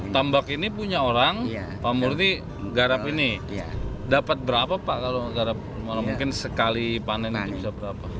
tambak ini punya orang pak multi garap ini dapat berapa pak kalau garap mungkin sekali panen itu bisa berapa